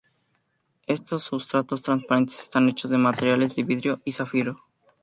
Estos sustratos transparentes están hechos de materiales de vidrio o zafiro.